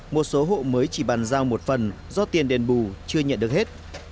một số hộ mới chỉ bàn giao một phần do tiền đền bù chưa nhận được hết